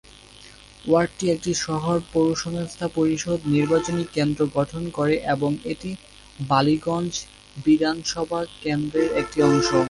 ওয়ার্ডটি একটি শহর পৌরসংস্থা পরিষদ নির্বাচনী কেন্দ্র গঠন করে এবং এটি বালিগঞ্জ বিধানসভা কেন্দ্রর একটি অংশ।